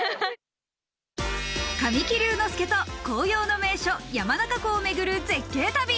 神木隆之介と紅葉の名所・山中湖をめぐる絶景旅。